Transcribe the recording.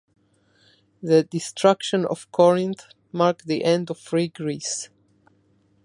The destruction of Corinth marked the end of free Greece.